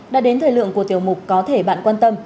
đã đến thời lượng của tiểu mục có thể bạn quan tâm